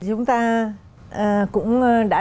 chúng ta cũng đã